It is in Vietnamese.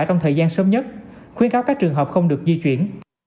trong thời gian sớm nhất khuyến cáo các trường hợp không được di chuyển